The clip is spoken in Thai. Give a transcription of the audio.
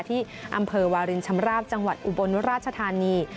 ที่อำเภอวารินชำราบจังหวัดอุบลราชธานี